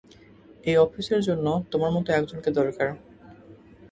এই অফিসের জন্য, তোমার মতো একজনকে দরকার।